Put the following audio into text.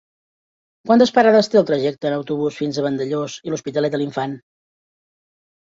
Quantes parades té el trajecte en autobús fins a Vandellòs i l'Hospitalet de l'Infant?